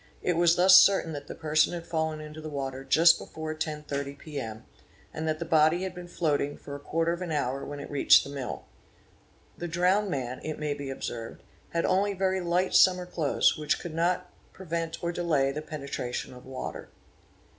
It was thus certain that the person had fallen — into the water just before 10 30 p.m., and that the body had been floating for a quarter of an hour when it reached the mill@™", The drowned man, — it may be observed, had only very light summer clothes, which could not — prevent or delay the penetration of the water.